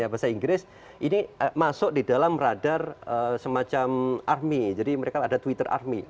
bahasa inggris ini masuk di dalam radar semacam army jadi mereka ada twitter army